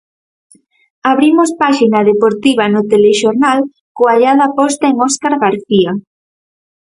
Abrimos páxina deportiva no Telexornal coa ollada posta en Óscar García.